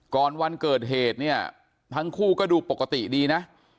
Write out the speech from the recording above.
วันเกิดเหตุเนี่ยทั้งคู่ก็ดูปกติดีนะ